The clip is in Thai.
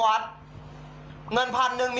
ครบเลยนะ๑๔๐องค์